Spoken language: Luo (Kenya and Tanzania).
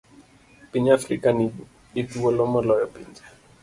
Piny mar Afrika ni gi thuolo moloyo pinje